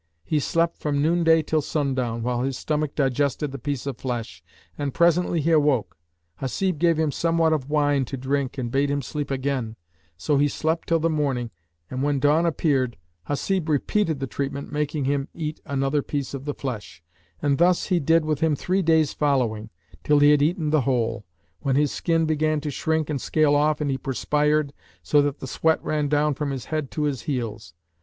He slept from noonday till sundown, while his stomach digested the piece of flesh, and presently he awoke. Hasib gave him somewhat of wine to drink and bade him sleep again; so he slept till the morning and when dawn appeared, Hasib repeated the treatment making him eat another piece of the flesh; and thus he did with him three days following, till he had eaten the whole, when his skin began to shrink and scale off and he perspired, so that the sweat ran down from his head to his heels.